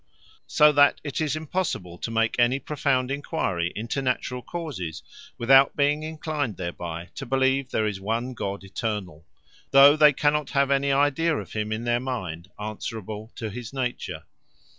So that it is impossible to make any profound enquiry into naturall causes, without being enclined thereby to believe there is one God Eternall; though they cannot have any Idea of him in their mind, answerable to his nature.